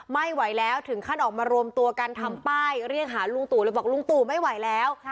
ไม่ไหวแล้วถึงขั้นออกมารวมตัวกันทำป้ายเรียกหาลุงตู่เลยบอกลุงตู่ไม่ไหวแล้ว